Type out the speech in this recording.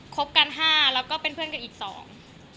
คบกันห้าแล้วก็เป็นเพื่อนกันอีกสอง